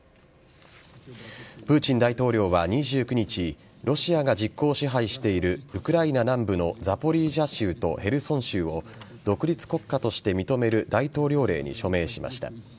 プーチン大統領は２９日ロシアが実効支配しているウクライナ南部のザポリージャ州とヘルソン州を独立国家として認める大統領令に署名しました。